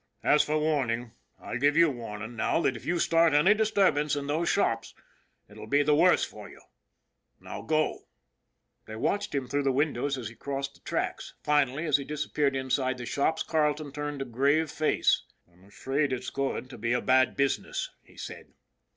" As for warn ing, I give you warning now that if you start any dis turbance in those shops it will be the worse for you. Now go !" They watched him through the windows as he 14 ON THE IRON AT BIG CLOUD crossed the tracks. Finally, as he disappeared inside the shops, Carleton turned with a grave face. " I'm afraid it's going to be a bad business," he said.